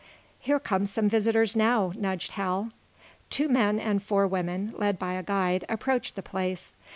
"Here come some visitors, now," nudged Hal. Two men and four women, led by a guide, approached the place.